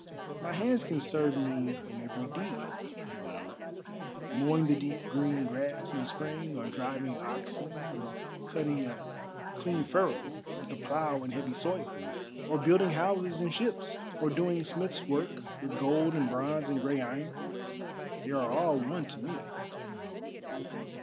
"My hands can serve me in every need," he went on. "Mowing the deep green grass in spring, or driving oxen, or cutting a clean furrow with the plough in heavy soil, or building houses and ships, or doing smith's work with gold and bronze and grey iron—they are all one to me."